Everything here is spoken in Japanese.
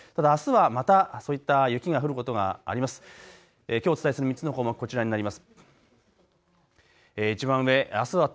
ただあすはまたそういった雪が降ることがあります。